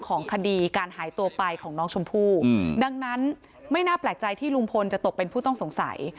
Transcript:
ของคดีการหายตัวไปของน้องชมพู่ดังนั้นไม่น่าแปลกใจที่ลุงพลจะตกเป็นผู้ต้องสงสัย